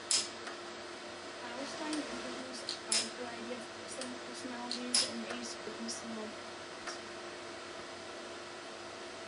Blaustein interviews a wide variety of wrestling personalities and ascertains their motivations.